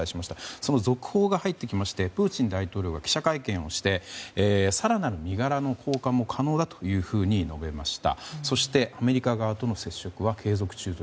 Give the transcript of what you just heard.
その続報が入ってきましてプーチン大統領が記者会見をして可能だというふうに述べました。